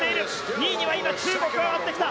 ２位には今、中国が上がってきた。